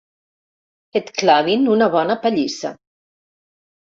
Et clavin una bona pallissa.